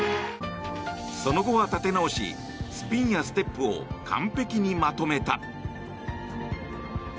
その後は立て直しスピンやステップを完璧にまとめた。